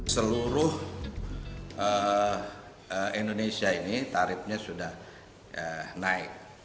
seluruh indonesia ini tarifnya sudah naik